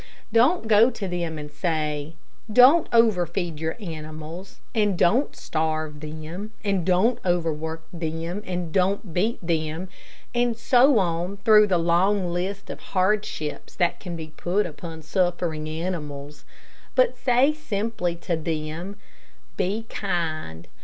Don't go to them and say, "Don't overfeed your animals, and don't starve them, and don't overwork them, and don't beat them," and so on through the long list of hardships that can be put upon suffering animals, but say simply to them, "Be kind.